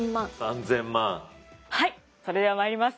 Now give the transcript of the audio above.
はいそれではまいります。